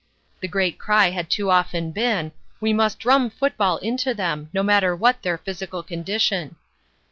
The great cry had too often been 'We must drum football into them, no matter what their physical condition.'